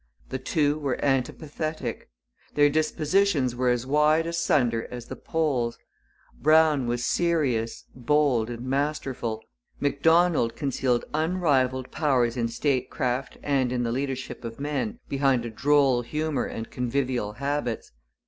The two were antipathetic. Their dispositions were as wide asunder as the poles. Brown was serious, bold, and masterful. Macdonald concealed unrivalled powers in statecraft and in the leadership of men behind a droll humour and convivial habits.